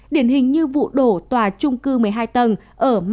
điển hình như vụ đổ tòa trung cư một mươi hai tầng ở miami bang florida mỹ